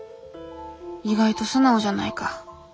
意外と素直じゃないか。